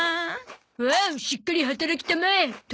おおしっかり働きたまえ父ちゃん。